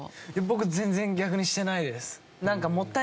僕全然逆にしてないです。